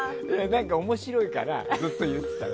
面白いからずっと言ってた。